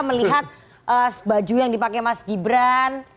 melihat baju yang dipakai mas gibran